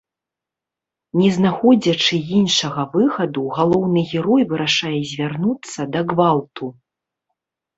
Не знаходзячы іншага выхаду, галоўны герой вырашае звярнуцца да гвалту.